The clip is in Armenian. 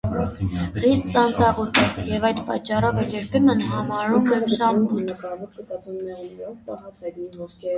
Խիստ ծանծաղուտ է, և այդ պատճառով էլ երբեմն համարում են շամբուտ։